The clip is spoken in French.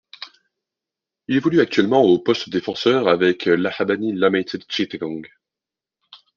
Il évolue actuellement au poste de défenseur avec l'Abahani Limited Chittagong.